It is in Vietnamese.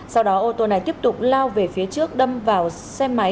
sau đó ô tô này tiếp tục lao về phía trước đâm vào xe máy